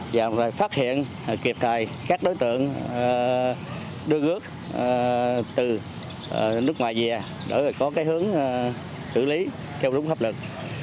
và phát hiện kịp thời các đối tượng đưa nước từ nước ngoài về để có hướng xử lý theo đúng pháp lực